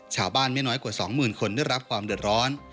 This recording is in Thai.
ชาวบ้านไม่น้อยกว่า๒๐๐๐คนได้รับความเดือดร้อน